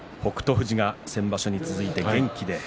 富士が先場所に続いて元気で。